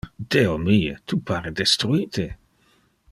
Deo mie, tu pare destruite!